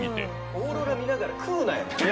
オーロラ見ながら食うなよ。